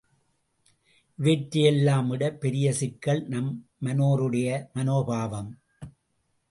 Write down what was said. இவற்றையெல்லாம் விடப் பெரிய சிக்கல் நம்மனோருடைய மனோபாவம்!